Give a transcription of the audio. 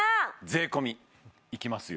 税込いきますよ